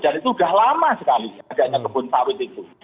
dan itu sudah lama sekali adanya kebun sawit itu